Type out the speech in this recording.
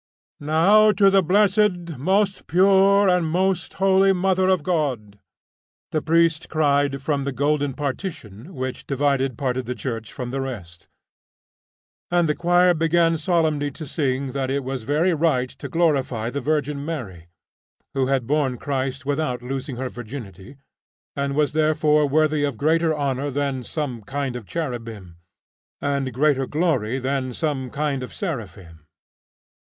"Now, to the blessed, most pure, and most holy Mother of God," the priest cried from the golden partition which divided part of the church from the rest, and the choir began solemnly to sing that it was very right to glorify the Virgin Mary, who had borne Christ without losing her virginity, and was therefore worthy of greater honour than some kind of cherubim, and greater glory than some kind of seraphim.